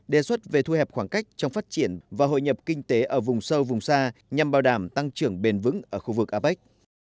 đề xuất về thu hẹp khoảng cách trong phát triển và hội nhập kinh tế ở vùng sâu vùng xa nhằm bảo đảm tăng trưởng bền vững ở khu vực apec